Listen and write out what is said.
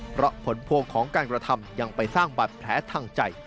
เพราะผลพวงของการกระทำยังไปสร้างบาดแผลทางใจ